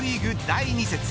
第２節。